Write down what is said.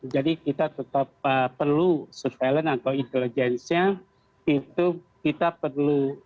jadi kita tetap perlu subvarian atau intelijensnya itu kita perlu